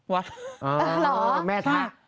วัดหรอครับค่ะอ๋อแม่ท็ะ